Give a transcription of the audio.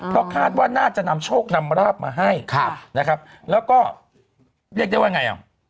เพราะคาดว่าน่าจะนำโชคนำราบมาให้นะครับแล้วก็เรียกได้ว่าไงอ่ะ